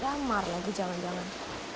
gampang lagi jalan jalan